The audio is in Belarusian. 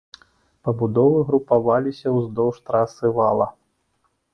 Пабудовы групаваліся ўздоўж трасы вала.